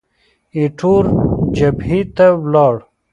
ایټور جبهې ته ولاړ.